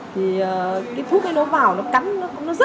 thì cái thuốc này nó vào nó cắn